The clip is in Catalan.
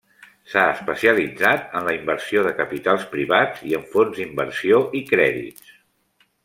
S'ha especialitzat en la inversió de capitals privats i en fons d'inversió i crèdits.